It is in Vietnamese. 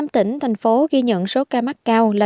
năm tỉnh thành phố ghi nhận số ca mắc cao là